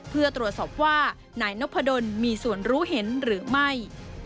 เพื่อตรวจสอบว่านายนพดลมีส่วนรู้เห็นหรือไม่